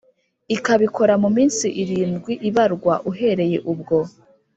ikabikora mu minsi irindwi ibarwa uhoreye ubwo